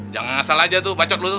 jangan asal aja tuh bacot lo tuh